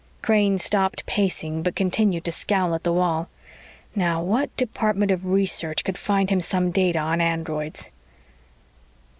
Crane stopped pacing but continued to scowl at the wall. Now, what department of research could find him some data on androids?